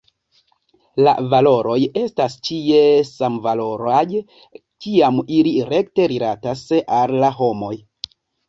La valoroj estas ĉie samvaloraj kiam ili rekte rilatas al la homoj.